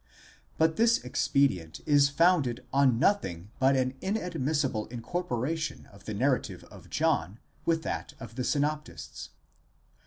2 But this expedient is founded on nothing but an inadmissible incorporation of the narrative of John with that of the synoptists.